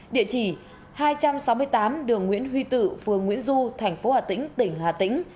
địa chỉ hai trăm sáu mươi tám đường nguyễn huy tử phường nguyễn du tp hà tĩnh tỉnh hà tĩnh